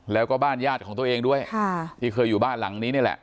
แล้วก็บ้านญาติของตัวเองด้วยที่เคยอยู่บ้านหลังนี้นี่แหละ